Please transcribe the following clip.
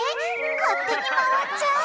勝手に回っちゃう！？